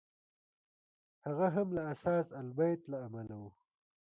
هغه هم له اثاث البیت له امله و.